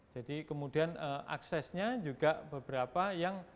jadi kemudian aksesnya juga beberapa yang